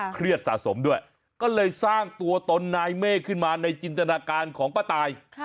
สะสมด้วยก็เลยสร้างตัวตนนายเมฆขึ้นมาในจินตนาการของป้าตาย